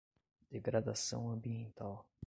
Degradação ambiental